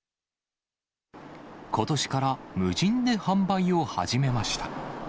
ことしから無人で販売を始めました。